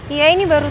iya ini baru tersedia